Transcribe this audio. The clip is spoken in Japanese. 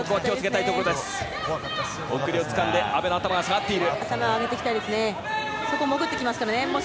奥襟をつかんで阿部の頭が下がっている。